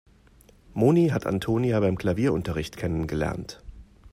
Moni hat Antonia beim Klavierunterricht kennengelernt.